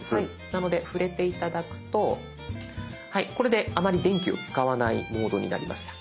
なので触れて頂くとはいこれであまり電気を使わないモードになりました。